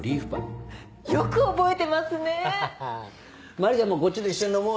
マリちゃんもこっちで一緒に飲もうよ。